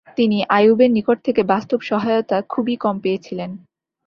তিনি আইয়ুবের নিকট থেকে বাস্তব সহায়তা খুবই কম পেয়েছিলেন।